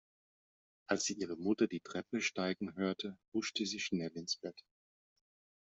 Als sie ihre Mutter die Treppe steigen hörte, huschte sie schnell ins Bett.